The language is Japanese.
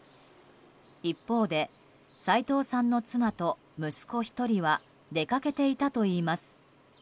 一方で齋藤さんの妻と息子１人は出かけていたといいます。